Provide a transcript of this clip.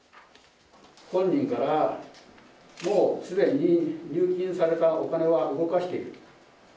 本人から、もうすでに入金されたお金は動かしている。